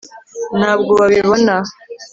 ntabwo babibona